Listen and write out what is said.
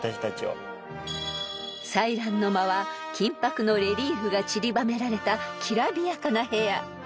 ［彩鸞の間は金箔のレリーフがちりばめられたきらびやかな部屋］